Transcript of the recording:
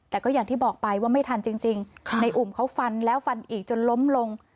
แต่ก็อย่างที่บอกไปว่าไม่ทันจริงในอุ่มเขาฟันแล้วฟันอีกจนล้มลง